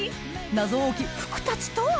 謎多きふくたちとは？